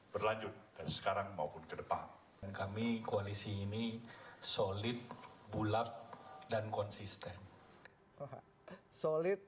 berlanjut dari sekarang maupun kedepan kami koalisi ini solid bulat dan konsisten solid